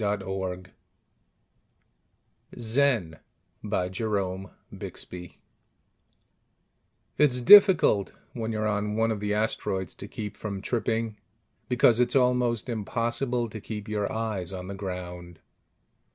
_ [Illustration: Illustrated by ASHMAN] It's difficult, when you're on one of the asteroids, to keep from tripping, because it's almost impossible to keep your eyes on the ground.